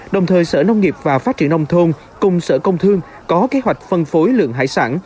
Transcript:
đồng thời sở nông nghiệp và phát triển nông thôn cùng sở công thương có kế hoạch phân phối lượng hải sản